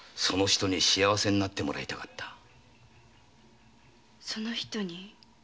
その女に幸せになってもらいたかった？